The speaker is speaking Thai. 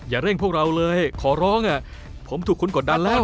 เร่งพวกเราเลยขอร้องผมถูกคุณกดดันแล้ว